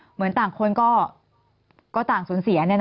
เหมือนต่างคนก็ต่างสูญเสีย